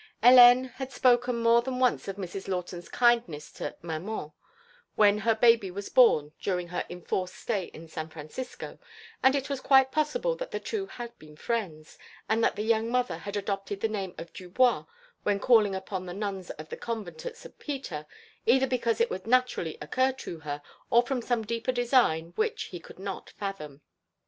Hélène had spoken more than once of Mrs. Lawton's kindness to "maman" when her baby was born during her "enforced stay in San Francisco," and it was quite possible that the two had been friends, and that the young mother had adopted the name of Dubois when calling upon the nuns of the convent at St. Peter, either because it would naturally occur to her, or from some deeper design which, he could not fathom....